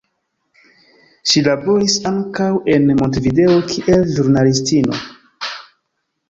Ŝi laboris ankaŭ en Montevideo kiel ĵurnalistino.